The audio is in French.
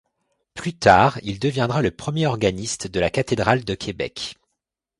Plus tard, il deviendra le premier organiste de la cathédrale de Québec.